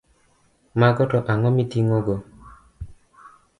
Mago to ang’o miting’ogo?